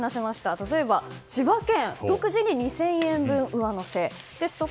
例えば千葉県は独自に２０００円分上乗せですとか